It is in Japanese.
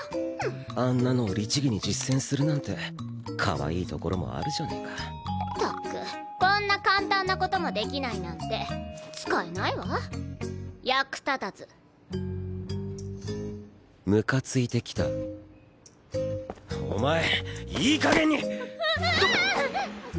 あんなのを律儀に実践するなんてかわいいところもあるじゃねえかったくこんな簡単なこともできないなんて使えないわ役立たずムカついてきたお前いい加減にうわあっ！